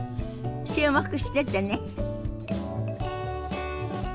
注目しててね。